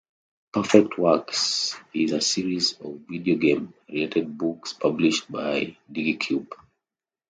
"Perfect Works" is a series of video game-related books published by DigiCube.